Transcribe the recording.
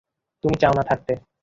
তুমি চাও না থাকতে।